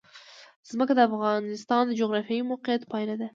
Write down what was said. ځمکه د افغانستان د جغرافیایي موقیعت پایله ده.